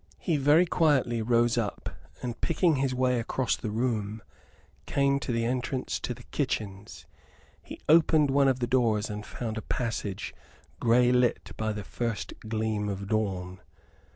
He very quietly rose up, and, picking his way across the room, came to the entrance to the kitchens. He opened one of the doors and found a passage, grey lit by the first gleam of dawn.